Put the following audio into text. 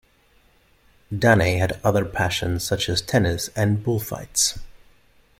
Daney had other passions such as tennis and bullfights.